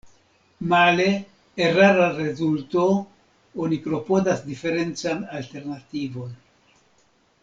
Male —erara rezulto— oni klopodas diferencan alternativon.